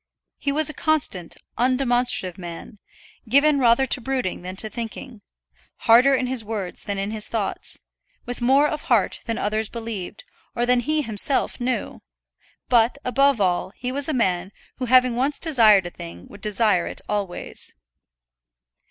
He was a constant, undemonstrative man, given rather to brooding than to thinking; harder in his words than in his thoughts, with more of heart than others believed, or than he himself knew; but, above all, he was a man who having once desired a thing would desire it always.